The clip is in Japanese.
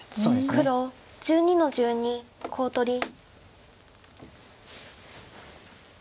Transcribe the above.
黒１２の十二コウ取り。